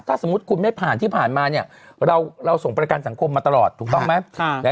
ถ้าสมมุติคุณไม่ผ่านที่ผ่านมาเนี่ยเราส่งประกันสังคมมาตลอดถูกต้องไหม